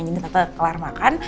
jadi tante kelar makan